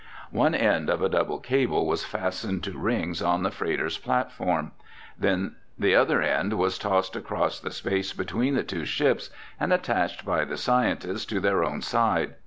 One end of a double cable was fastened to rings on the freighter's platform. Then the other end was tossed across the space between the two ships and attached by the scientists to their own side.